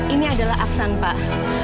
ini adalah aksan pak